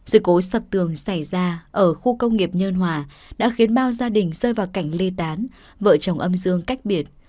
sự cố sập tường xảy ra ở khu công nghiệp nhân hòa đã khiến bao gia đình rơi vào cảnh ly tán vợ chồng âm dương cách biệt